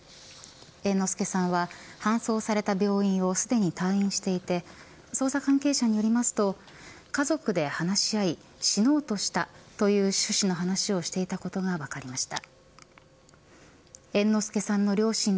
猿之助さんは搬送された病院をすでに退院していて捜査関係者によりますと家族で話し合い死のうとしたという趣旨の話をしていたことが分かりました。